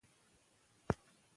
تاسو د بدلون بیلګه اوسئ.